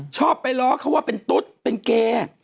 ชอบไปล้อเขาว่าเป็นตุ๊ดเป็นเกย์